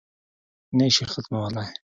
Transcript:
نه یې شي ختمولای.